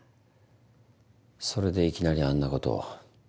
それでいきなりあんなことを？